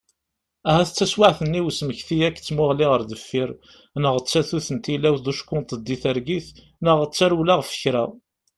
Ahat d taswiɛt-nni n usmekti akked tmuɣli ɣer deffir, neɣ d tatut n tilawt d uckenṭeḍ di targit, neɣ d tarewla ɣef kra.